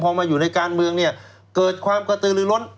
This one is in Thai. พอมาอยู่ในการเมืองเนี่ยเกิดความกระตือลือล้น